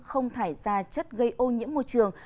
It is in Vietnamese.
không thải ra chất gây ô nhiễm môi trường